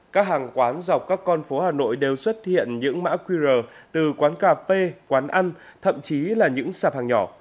các hàng quán dọc các con phố hà nội đều xuất hiện những mã qr từ quán cà phê quán ăn thậm chí là những sạp hàng nhỏ